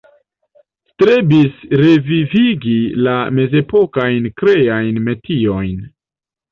Strebis revivigi la mezepokajn kreajn metiojn.